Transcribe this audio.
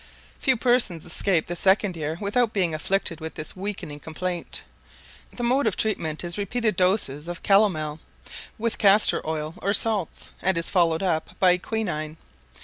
Few persons escape the second year without being afflicted with this weakening complaint; the mode of treatment is repeated doses of calomel, with castor oil or salts, and is followed up by quinine.